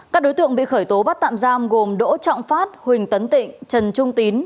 các đối tượng bị khởi tố bắt tạm giam gồm đỗ trọng phát huỳnh tấn tịnh trần trung tín